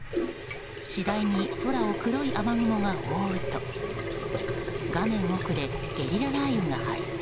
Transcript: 次第に空を黒い雨雲が覆うと画面奥でゲリラ雷雨が発生。